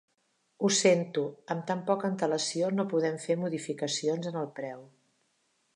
Ho sento, amb tan poca antelació no podem fer modificacions en el preu.